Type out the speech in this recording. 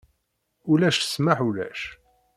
Ulac ssmeḥ ulac.